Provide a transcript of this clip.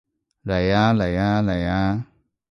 嚟吖嚟吖嚟吖